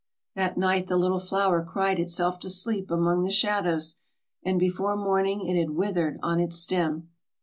That night the little flower cried itself to sleep among the shadows, and before morning it had withered on its stem.